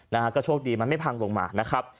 นะฮะก็โชคดีมันไม่พังลงมานะครับ